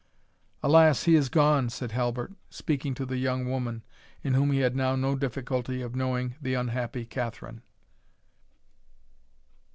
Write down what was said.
"Alas! he is gone," said Halbert, speaking to the young woman, in whom he had now no difficulty of knowing the unhappy Catherine.